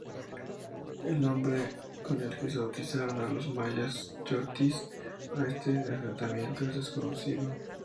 El nombre con el que bautizaron los mayas Chortís a este asentamiento es desconocido.